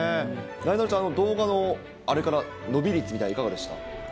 なえなのちゃん、動画のあれから、伸び率みたいなのいかがでした？